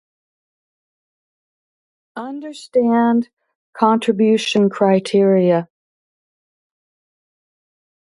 Faulds re-appointed his Thistle assistant Stevie Moore in the same position.